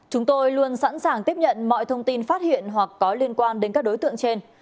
chúng tôi luôn sẵn sàng tiếp nhận mọi thông tin phát hiện hoặc có liên quan đến các đối tượng trên